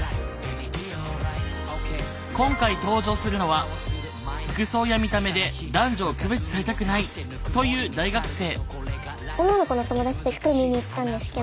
今回登場するのは服装や見た目で男女を区別されたくないという大学生。